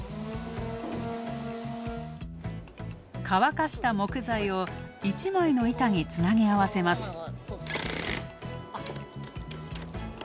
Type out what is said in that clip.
乾かした木材を１枚の板につなぎ合わせます。